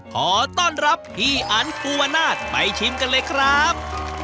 ขอต้อนรับพี่อันภูวนาศไปชิมกันเลยครับ